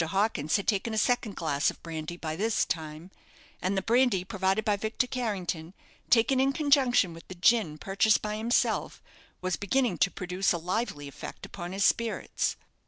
Hawkins had taken a second glass of brandy by this time; and the brandy provided by Victor Carrington, taken in conjunction with the gin purchased by himself was beginning to produce a lively effect upon his spirits.